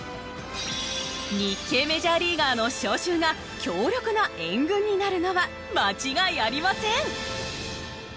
日系メジャーリーガーの招集が強力な援軍になるのは間違いありません。